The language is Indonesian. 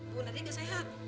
bu nanti gak sehat